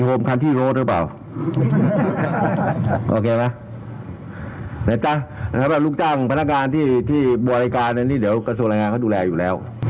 โอเคหรอลูกจ้างพนักการที่บัวรายการเนี่ยเดี๋ยวกระทรวงรายงานเขาดูแลอยู่แล้ว